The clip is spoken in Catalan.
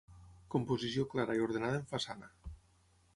Composició clara i ordenada en façana.